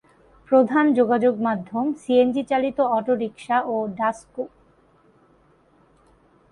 প্রধান যোগাযোগ মাধ্যম সিএনজি চালিত অটোরিক্সা ও ডাসকু।